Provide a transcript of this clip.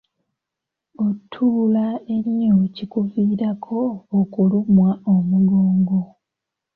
Otuula ennyo kikuviirako okulumwa omugongo.